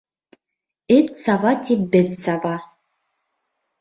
Эт саба тип, бет саба.